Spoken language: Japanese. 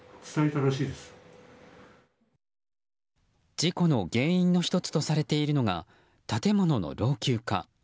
事故の原因の１つとされているのが建物の老朽化。